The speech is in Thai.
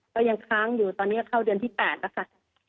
ก็ยังค้างอยู่ตอนนี้เข้าเดือนที่๘แล้วค่ะ